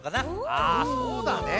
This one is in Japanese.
ああそうだね。